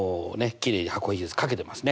きれいに箱ひげ図書けてますね。